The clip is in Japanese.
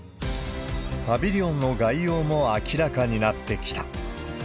パビリオンの概要も明らかになってきた。